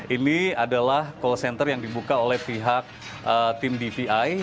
ini adalah call center yang dibuka oleh pihak tim dvi